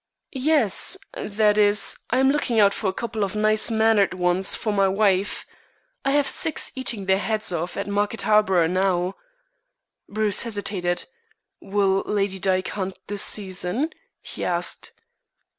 "Yes that is, I am looking out for a couple of nice mannered ones for my wife. I have six eating their heads off at Market Harborough now." Bruce hesitated. "Will Lady Dyke hunt this season?" he asked.